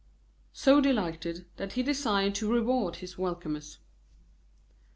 So delighted that he desired to reward his welcomers.